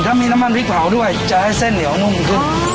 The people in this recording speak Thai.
ถ้ามีน้ำมันพริกเผาด้วยจะให้เส้นเหนียวนุ่มขึ้น